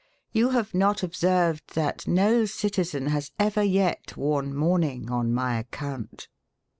YOU HAVE NOT OBSERVED THAT NO CITIZEN HAS EVER YET WORNE MOURNING ON MY ACCOUNT.